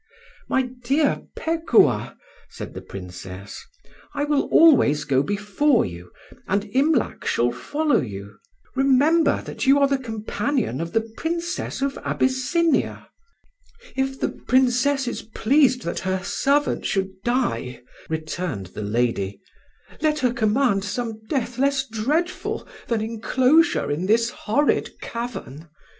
"My dear Pekuah," said the Princess, "I will always go before you, and Imlac shall follow you. Remember that you are the companion of the Princess of Abyssinia." "If the Princess is pleased that her servant should die," returned the lady, "let her command some death less dreadful than enclosure in this horrid cavern.